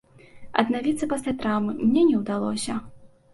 Аднавіцца пасля траўмы мне не ўдалося.